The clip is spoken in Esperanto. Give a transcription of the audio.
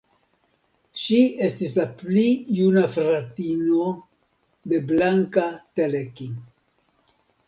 Ŝi estis la pli juna fratino de Blanka Teleki.